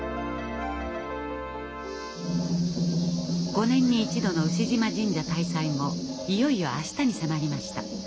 ５年に１度の牛嶋神社大祭もいよいよ明日に迫りました。